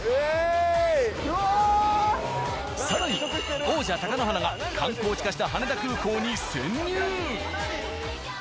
更に、王者・貴乃花が観光地化した羽田空港に潜入。